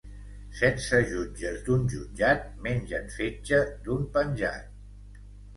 Setze jutges d'un jutjat mengen fetge d'un penjat